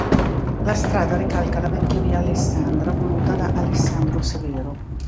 La strada ricalca la vecchia Via Alessandra voluta da Alessandro Severo.